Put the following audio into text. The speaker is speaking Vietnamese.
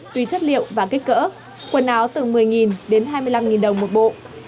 tùy chất liệu và kích cỡ quần áo từ một mươi đến hai mươi năm đồng một bộ